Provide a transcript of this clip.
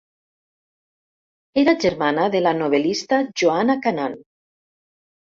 Era germana de la novel·lista Joanna Cannan.